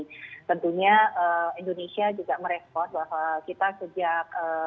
tentunya indonesia juga merespon bahwa kita sejak